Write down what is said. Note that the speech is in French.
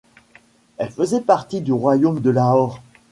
Elle faisait partie du royaume de Lahore.